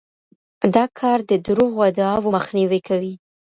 دا کار د دروغو ادعاوو مخنیوی کوي.